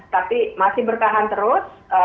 tapi masih bertahan terus